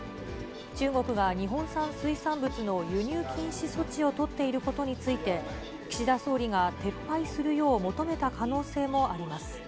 中国が日本産水産物の輸入禁止措置を取っていることについて、岸田総理が撤廃するよう求めた可能性もあります。